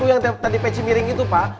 yang tadi peci miring itu pak